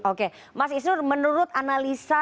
oke mas isnur menurut analisa